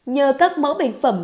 nhờ các mẫu bệnh phẩm